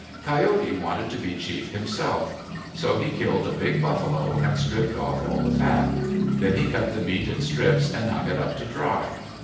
Coyote wanted to be chief himself. So he killed a big buffalo and stripped off all the fat. Then he cut the meat in strips and hung it up to dry.